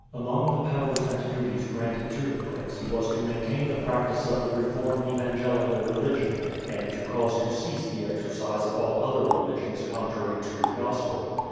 Among the powers and duties granted to the prince he was to maintain the practice of the reformed evangelical religion, and to cause to cease the exercise of all other religions contrary to the Gospel.